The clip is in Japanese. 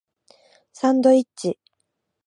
サンドイッチ